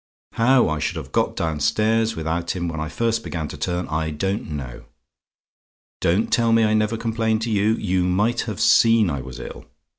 How I should have got down stairs without him when I first began to turn, I don't know. Don't tell me I never complained to you; you might have seen I was ill.